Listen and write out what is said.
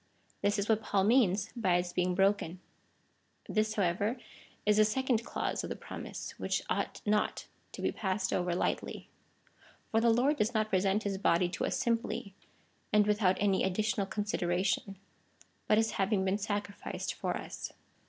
This is what Paul means by its being broken. This, how ever, is the second clause of the promise, which ought not to be passed over slightly. For the Lord does not present his body to us simply, and without any additional considera tion, but as having been sacrificed for us.